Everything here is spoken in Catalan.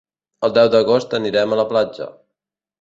El deu d'agost anirem a la platja.